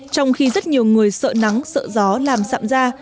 trong khi rất nhiều người sợ nắng sợ gió làm sạm da